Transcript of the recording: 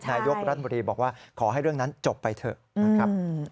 นายกรัฐมนตรีบอกว่าขอให้เรื่องนั้นจบไปเถอะนะครับ